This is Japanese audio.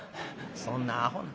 「そんなアホな。